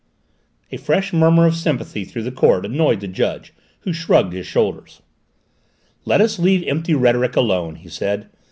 A fresh murmur of sympathy through the court annoyed the judge, who shrugged his shoulders. "Let us leave empty rhetoric alone," he said.